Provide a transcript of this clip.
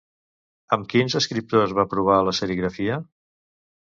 Amb quins escriptors va provar la serigrafia?